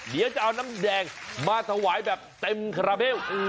เดี๋ยวจะเอาน้ำแดงมาถวายแบบเต็มคาราเบล